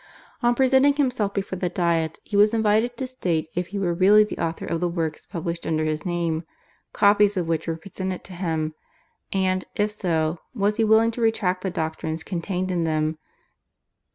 On presenting himself before the Diet he was invited to state if he were really the author of the works published under his name, copies of which were presented to him, and, if so, was he willing to retract the doctrines contained in them.